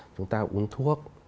chúng ta uống thuốc